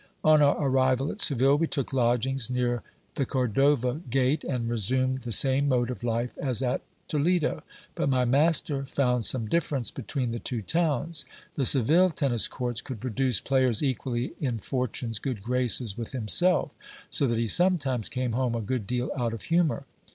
On our arrival at Seville, we took lodgings near the Cordova gate, and resumed the same mode of life as at Toledo. But my master found some difference be tween the two towns. The Seville tennis courts could produce players equally in fortune's good graces with himself ; so that he sometimes came home a good deal out of humour.